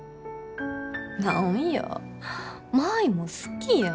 何や舞も好きやん。